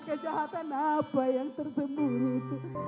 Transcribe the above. kejahatan apa yang tersembunyi